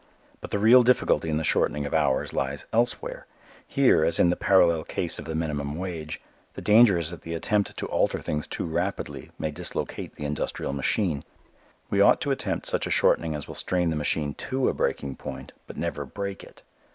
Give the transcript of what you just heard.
But the real difficulty in the shortening of hours lies elsewhere. Here, as in the parallel case of the minimum wage, the danger is that the attempt to alter things too rapidly may dislocate the industrial machine. We ought to attempt such a shortening as will strain the machine to a breaking point, but never break it.